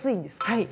はい。